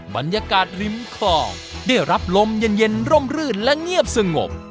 บรรยากาศริมคลองได้รับลมเย็นร่มรื่นและเงียบสงบ